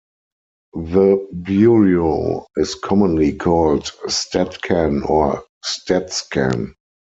The bureau is commonly called StatCan or StatsCan.